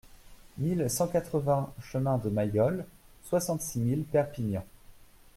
mille cent quatre-vingts chemin de Mailloles, soixante-six mille Perpignan